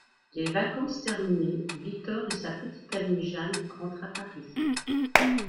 Les vacances terminées, Victor et sa petite amie Jeanne rentrent à Paris.